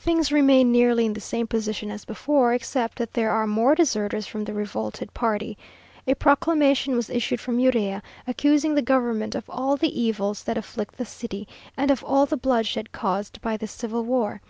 Things remain nearly in the same position as before, except that there are more deserters from the revolted party. A proclamation was issued by Urrea, accusing the government of all the evils that afflict the city, and of all the bloodshed caused by this civil war.